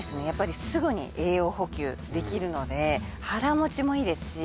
やっぱりすぐに栄養補給できるので腹持ちもいいです